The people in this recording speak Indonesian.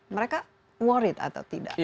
mereka worried atau tidak